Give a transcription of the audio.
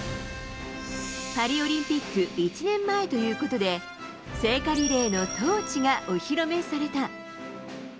パリオリンピック１年前ということで、聖火リレーのトーチがお披露目された。